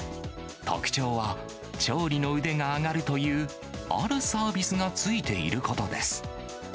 特徴は、調理の腕が上がるという、あるサービスがついていることです。